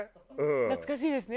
懐かしいですね。